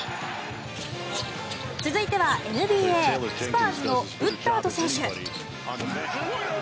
続いてはＮＢＡスパーズのウッダード選手。